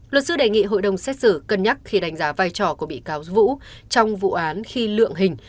luật sư đề nghị hội đồng xét xử cân nhắc khi đánh giá vai trò của bị cáo vũ trong vụ án khi lượng hình